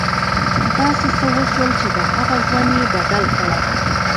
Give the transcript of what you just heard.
داسې څه وشول چې د هغه ژوند یې بدل کړ